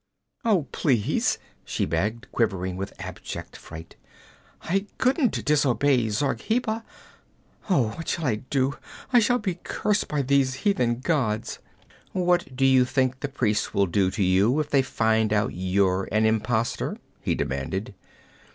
'Oh, please!' she begged, quivering with abject fright. 'I couldn't disobey Zargheba. Oh, what shall I do? I shall be cursed by these heathen gods!' 'What do you think the priests will do to you if they find out you're an impostor?' he demanded.